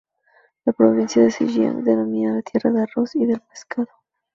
La provincia de Zhejiang se denomina la tierra del "arroz y del pescado".